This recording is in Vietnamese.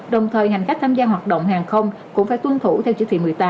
đồng thời hành khách tham gia hoạt động hàng không cũng phải tuân thủ theo chỉ thị một mươi tám